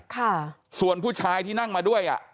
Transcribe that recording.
ค่ะส่วนผู้ชายที่นั่งมาด้วยอ่ะ